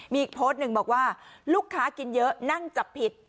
มีอีกโพสต์หนึ่งบอกว่าลูกค้ากินเยอะนั่งจับผิด